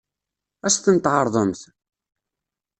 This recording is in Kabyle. Ad as-ten-tɛeṛḍemt?